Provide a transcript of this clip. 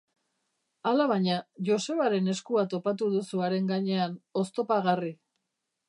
Alabaina, Josebaren eskua topatu duzu haren gainean, oztopagarri.